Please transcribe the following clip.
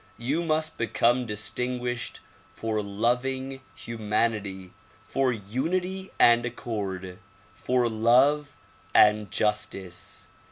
You must become distinguished for loving humanity; for unity and accord; for love and justice.